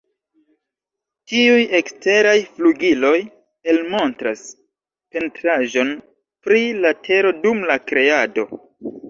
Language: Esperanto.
Tiuj eksteraj flugiloj, elmontras pentraĵon pri la tero dum la Kreado.